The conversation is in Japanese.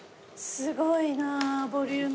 すごいなボリューム。